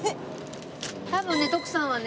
多分ね徳さんはね